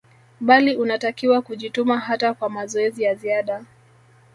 bali unatakiwa kujituma hata kwa mazoezi ya ziada